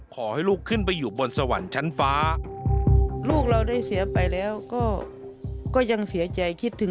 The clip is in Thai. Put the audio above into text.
ขอให้ลูกขึ้นไปอยู่บนสวรรค์ชั้นฟ้า